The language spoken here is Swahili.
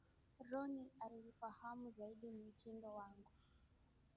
Ronnie aliifahamu zaidi mtindo wangu.